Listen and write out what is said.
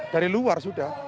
dari luar sudah